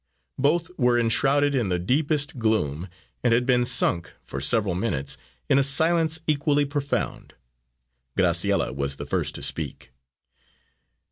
Both were enshrouded in the deepest gloom, and had been sunk, for several minutes, in a silence equally profound. Graciella was the first to speak.